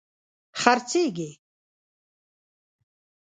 خرڅیږې